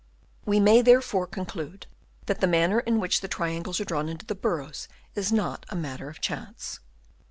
We may therefore conclude that the manner in which the triangles are drawn into the burrows is not a matter of chance.